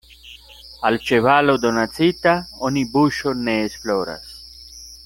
Al ĉevalo donacita oni buŝon ne esploras.